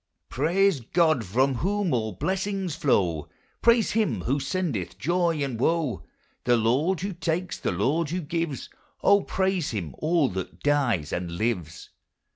"Praise God from whom all blessings flow," Praise him who sendeth joy and woe. The Lord who takes, the Lord who gives, O, praise him, all that dies, and lives.